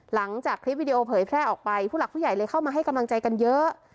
หลังจากคลิปวิดีโอเผยแพร่ออกไปผู้หลักผู้ใหญ่เลยเข้ามาให้กำลังใจกันเยอะ